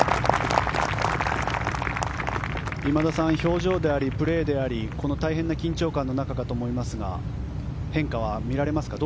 今田さん、表情でありプレーであり大変な緊張感だと思いますが変化は見られますか？